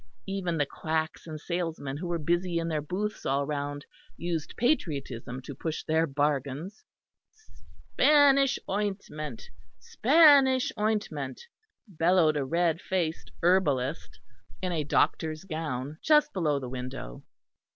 Even the quacks and salesmen who were busy in their booths all round used patriotism to push their bargains. "Spanish ointment, Spanish ointment!" bellowed a red faced herbalist in a doctor's gown, just below the window.